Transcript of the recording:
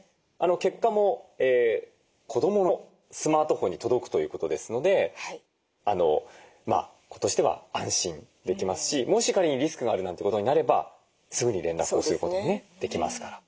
結果も子どものスマートフォンに届くということですので子としては安心できますしもし仮にリスクがあるなんてことになればすぐに連絡をすることがねできますから。